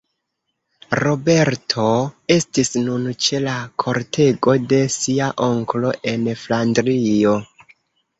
Roberto estis nun ĉe la kortego de sia onklo en Flandrio.